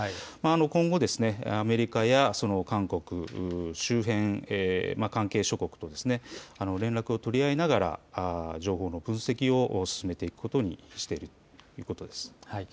今後、アメリカや韓国、周辺関係諸国と連絡を取り合いながら情報の分析を進めていくことにしているということです。